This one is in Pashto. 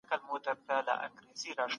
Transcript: حضوري ټولګي زده کوونکي د ګډون مهارت پراخول.